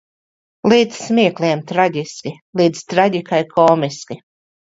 Līdz smiekliem traģiski. Līdz traģikai komiski.